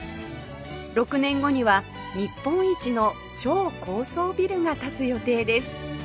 ６年後には日本一の超高層ビルが建つ予定です